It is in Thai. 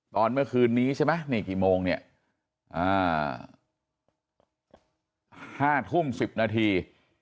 เมื่อคืนนี้ใช่ไหมนี่กี่โมงเนี่ย๕ทุ่ม๑๐นาที